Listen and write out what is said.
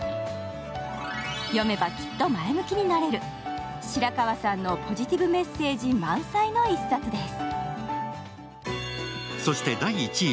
読めばきっと前向きになれる白川さんのポジティブメッセージ満載の一冊です。